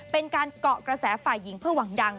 เป็นการเกาะกระแสฝ่ายหญิงเพื่อหวังดัง